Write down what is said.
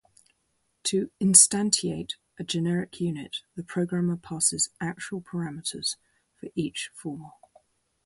To "instantiate" a generic unit, the programmer passes "actual" parameters for each formal.